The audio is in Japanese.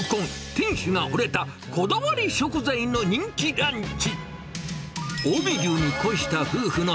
店主がほれたこだわり食材の人気ランチ。